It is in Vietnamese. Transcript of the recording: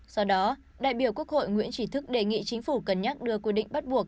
do đó đại biểu quốc hội nguyễn trí thức đề nghị chính phủ cân nhắc đưa quy định bắt buộc